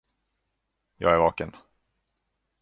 Jag är vaken.